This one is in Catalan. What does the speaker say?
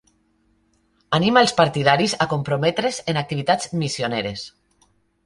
Anima els partidaris a comprometre's en activitats missioneres.